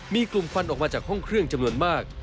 มีกลุ่มควันออกมาจากห้องเครื่องจำนวนมาก